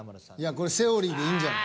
これセオリ―でいいんじゃない？